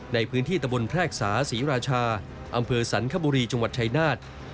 ในพื้นที่ตะบนแพรกษาศรีราชาอำเภอสันคบุรีจังหวัดชายนาฏ